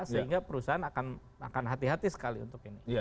sehingga perusahaan akan hati hati sekali untuk ini